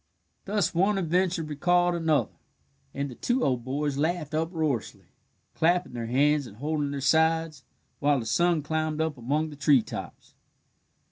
Thus one adventure recalled another, and the two old boys laughed uproariously, clapping their hands and holding their sides, while the sun climbed up among the treetops.